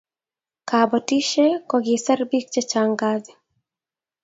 kabotishe kokiser biik chechang kazii